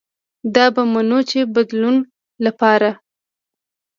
دا به منو چې د بدلون له پاره